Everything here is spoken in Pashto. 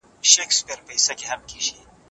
که په تعلیم کې اخلاص وي، نو ټولنه خوشحاله وي.